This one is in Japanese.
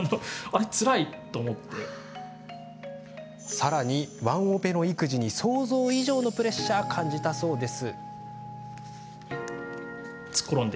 さらに、ワンオペの育児に想像以上のプレッシャーを感じたそうです。